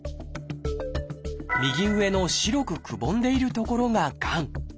右上の白くくぼんでいる所ががん。